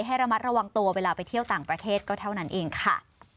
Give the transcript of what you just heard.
ให้ระมัดระวังตัวเวลาไปเที่ยวต่างประเทศก็เท่านั้นเองค่ะ